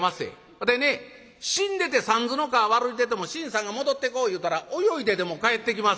わたいね死んでてさんずの川歩いてても信さんが戻ってこいいうたら泳いででも帰ってきまっせ」。